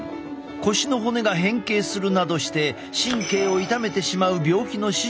腰の骨が変形するなどして神経を痛めてしまう病気の手術をした。